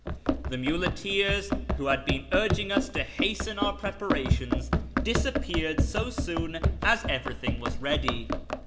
The muleteers, who had been urging us to hasten our preparations, disappeared so soon as everything was ready.